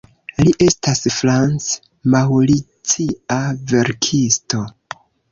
Li estas franc-maŭricia verkisto.